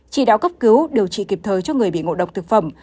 chỉ đạo cấp cứu điều trị kịp thời cho người bị ngộ độc thực phẩm